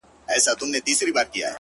• ويل زه يوه مورکۍ لرم پاتيږي,